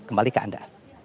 kembali ke anda